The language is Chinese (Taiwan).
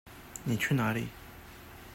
妳去哪裡？